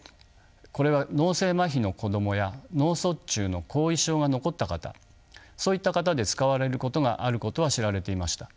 これは脳性まひの子供や脳卒中の後遺症が残った方そういった方で使われることがあることは知られていました。